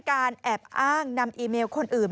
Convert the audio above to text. การแอบอ้างนำอีเมลคนอื่น